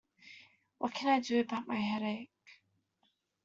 What can I do about my headache?